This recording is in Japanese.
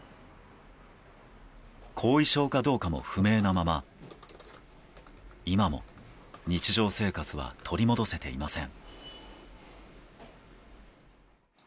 後遺症かどうかも不明なまま今も日常生活は取り戻せていません。